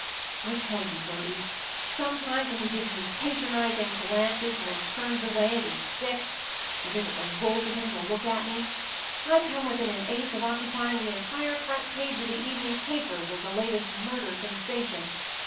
I tell you, Bertie, sometimes when he gives me a patronizing glance and then turns away and is sick, as if it revolted him to look at me, I come within an ace of occupying the entire front page of the evening papers as the latest murder sensation.